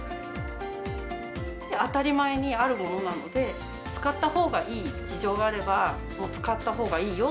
当たり前にあるものなので、使ったほうがいい事情があれば、もう使ったほうがいいよ。